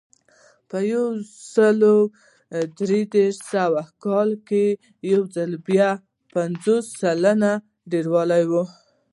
په یو سوه دېرش سوه کال کې یو ځل بیا پنځوس سلنې ډېروالی و